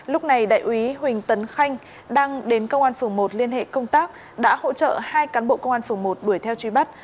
lúc này đại úy huỳnh tấn khanh đang đến công an phường một liên hệ công tác đã hỗ trợ hai cán bộ công an phường một đuổi theo truy bắt